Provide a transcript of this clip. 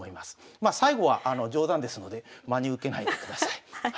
まあ最後は冗談ですので真に受けないでください。